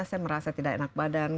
saya merasa tidak enak badan